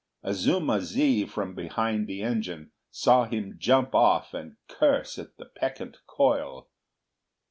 Azuma zi from behind the engine saw him jump off and curse at the peccant coil.